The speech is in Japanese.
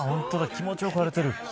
気持ち良く晴れている。